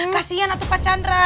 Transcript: kasian tuh pak chandra